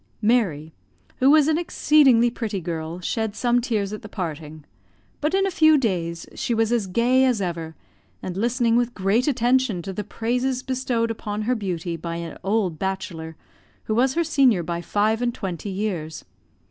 Mary, who was an exceedingly pretty girl, shed some tears at the parting; but in a few days she was as gay as ever, and listening with great attention to the praises bestowed upon her beauty by an old bachelor, who was her senior by five and twenty years.